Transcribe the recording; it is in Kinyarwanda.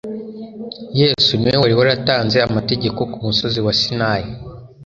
Yesu ni we wari waratanze amategeko ku musozi wa Sinayi,